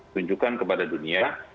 kunjukkan kepada dunia